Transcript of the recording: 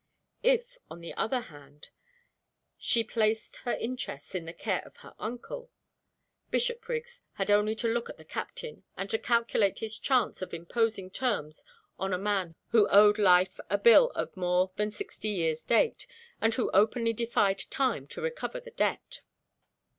If, on the other hand she placed her interests in the care of her uncle Bishopriggs had only to look at the captain, and to calculate his chance of imposing terms on a man who owed Life a bill of more than sixty years' date, and who openly defied time to recover the debt.